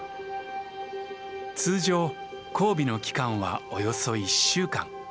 通常交尾の期間はおよそ１週間。